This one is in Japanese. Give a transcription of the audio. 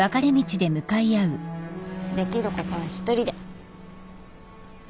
できることは一人で。